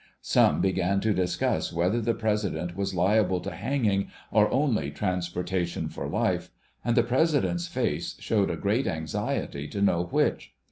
Some began to discuss \Yhether the President was liable to hanging or only transportation for life, and the President's face showed a great anxiety to know which.